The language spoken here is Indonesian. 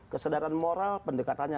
kesadaran moral pendekatannya